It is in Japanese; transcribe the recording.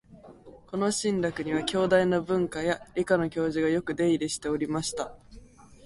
この「信楽」には、京大の文科や理科の教授がよく出入りしておりました